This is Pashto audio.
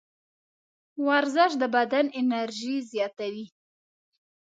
ورزش د بدن انرژي زیاتوي.